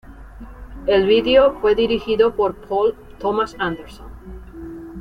El video fue dirigido por Paul Thomas Anderson.